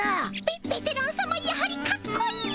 ベベテランさまやはりかっこいい。